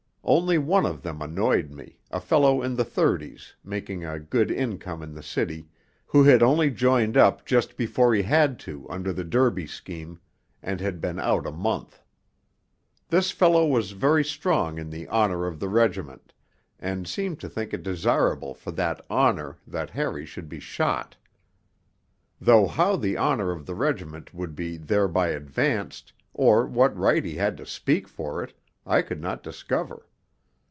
Only one of them annoyed me, a fellow in the thirties, making a good income in the City, who had only joined up just before he had to under the Derby scheme, and had been out a month. This fellow was very strong on 'the honour of the regiment'; and seemed to think it desirable for that 'honour' that Harry should be shot. Though how the honour of the regiment would be thereby advanced, or what right he had to speak for it, I could not discover.